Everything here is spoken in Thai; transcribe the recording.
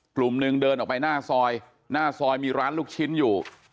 กลุ่มหนึ่งเดินออกไปหน้าซอยหน้าซอยมีร้านลูกชิ้นอยู่